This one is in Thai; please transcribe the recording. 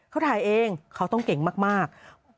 เขาถ่ายเองเขาต้องเก่งมาก